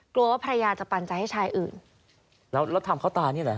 กลัวว่าภรรยาจะปันใจให้ชายอื่นแล้วแล้วทำเขาตายนี่เหรอ